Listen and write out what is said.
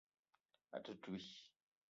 A te touii.